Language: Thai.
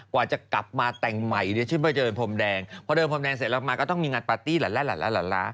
กว่าจะกลับมาแต่งใหม่เนี่ยฉันไปเดินพรมแดงพอเดินพรมแดงเสร็จแล้วมาก็ต้องมีงานปาร์ตี้หลาน